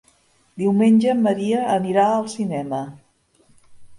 Diumenge en Maria anirà al cinema.